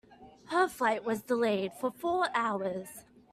Her flight was delayed for four hours.